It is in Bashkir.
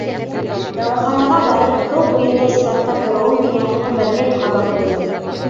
Дауаханаға барып, һыу буйындай сиратта тороуым миңә ғүмерлек һабаҡ булды.